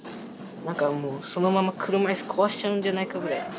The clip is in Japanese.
何かもうそのまま車いす壊しちゃうんじゃないかぐらい。